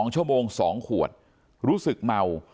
๒ชั่วโมง๒ขวดรู้สึกเมา